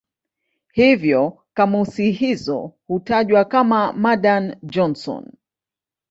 Hivyo kamusi hizo hutajwa kama "Madan-Johnson".